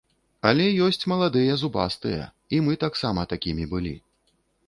Але ёсць маладыя зубастыя, і мы таксама такімі былі.